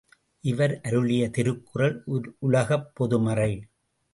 இவர் அருளிய திருக்குறள் உலகப் பொதுமறை.